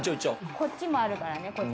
こっちもあるからねこっち。